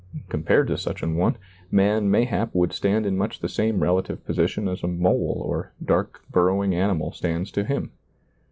Compared to such an one, man mayhap would stand in much the same relative position as a mole or dark burrowing animal stands to him.